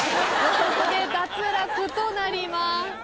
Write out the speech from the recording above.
ここで脱落となります。